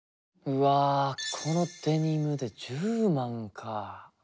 うわこのデニムで１０万か。